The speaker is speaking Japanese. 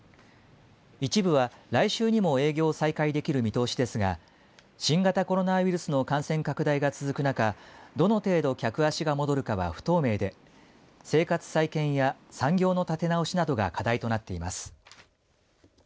一部は来週にも営業を再開できる見通しですが新型コロナウイルスの感染拡大が続く中どの程度客足が戻るかは不透明で生活再建や産業の立て直しなどが課題となっています。